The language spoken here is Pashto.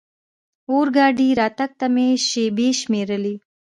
اورګاډي راتګ ته مې شېبې شمېرلې.